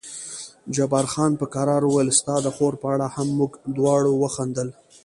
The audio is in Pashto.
جبار خان په کرار وویل ستا د خور په اړه هم، موږ دواړو وخندل.